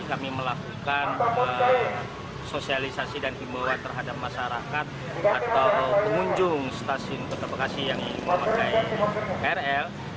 kami melakukan sosialisasi dan himbauan terhadap masyarakat atau pengunjung stasiun kota bekasi yang ingin memakai krl